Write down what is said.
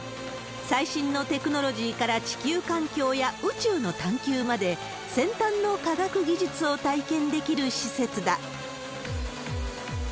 最新のテクノロジーから地球環境や宇宙の探求まで、先端の科学技術を体験できる施設だ。